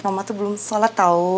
momma tuh belum shalat tau